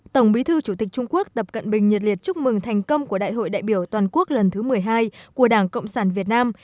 tổng bí thư chủ tịch trung quốc tập cận bình nhiệt liệt chúc mừng thành công của đại hội đại biểu toàn quốc lần thứ một mươi hai của đảng cộng sản việt nam